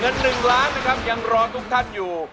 เงิน๑ล้านนะครับยังรอทุกท่านอยู่